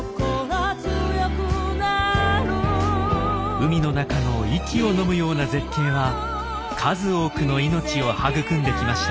海の中の息をのむような絶景は数多くの命を育んできました。